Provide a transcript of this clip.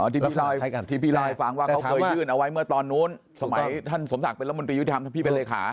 ที่พี่เล่าให้ฟังว่าเขาเคยยื่นเอาไว้เมื่อตอนนู้นสมัยท่านสมศักดิ์เป็นรัฐมนตรียุติธรรมพี่เป็นเลขา